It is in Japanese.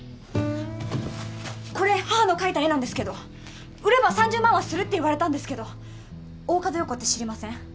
これ母の描いた絵なんですけど売れば３０万はするって言われたんですけど大加戸葉子って知りません？